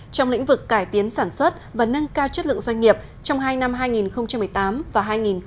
trong lĩnh vực cải tiến sản xuất và nâng cao chất lượng doanh nghiệp trong hai năm hai nghìn một mươi tám và hai nghìn một mươi chín